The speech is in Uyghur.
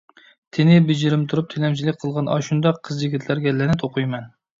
تېنى بېجىرىم تۇرۇپ تىلەمچىلىك قىلغان ئاشۇنداق قىز-يىگىتلەرگە لەنەت ئوقۇيمەن!